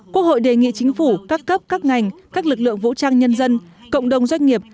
quốc hội đề nghị chính phủ các cấp các ngành các lực lượng vũ trang nhân dân cộng đồng doanh nghiệp